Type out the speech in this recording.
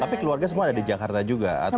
tapi keluarga semua ada di jakarta juga